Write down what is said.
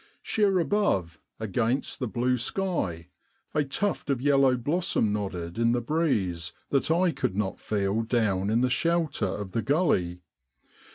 Sheer above, against the blue sky, a tuft of yellow blossom nodded in the breeze that I could not feel down in the shelter of the gully.